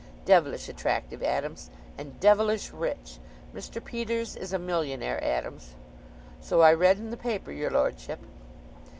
"Devilish attractive, Adams and devilish rich. Mr. Peters is a millionaire, Adams." "So I read in the paper, your lordship."